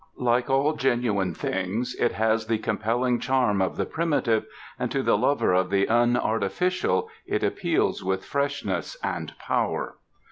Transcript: Like all genuine things, it has the compelling charm of the primitive and to the lover of the unartificial it appeals with fresh ness and power.